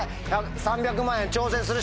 ３００万円挑戦する？